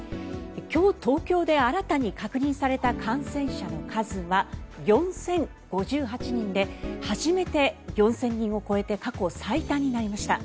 今日、東京で新たに確認された感染者の数は４０５８人で初めて４０００人を超えて過去最多になりました。